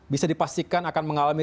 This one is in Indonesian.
bisa dipastikan akan mengalami